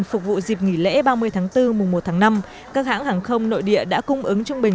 phục vụ dịp nghỉ lễ ba mươi tháng bốn mùa một tháng năm các hãng hàng không nội địa đã cung ứng trung bình